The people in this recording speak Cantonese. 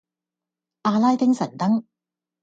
阿拉丁神燈